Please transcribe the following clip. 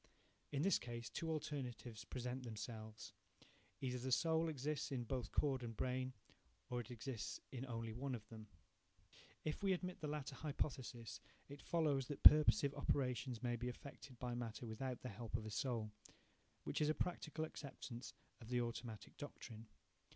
In this case, two alternatives present themselves,–either the soul exists in both cord and brain, or it exists in only one of them. If we admit the latter hypothesis, it follows that purposive operations may be effected by matter without the help of a soul, –which is a practical acceptance of the automatic doctrine.